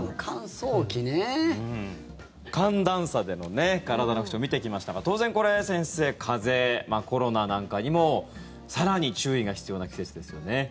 寒暖差での体の不調を見てきましたが当然、これ先生風邪、コロナなんかにも更に注意が必要な季節ですよね。